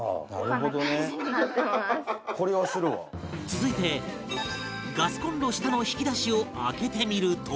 続いてガスコンロ下の引き出しを開けてみると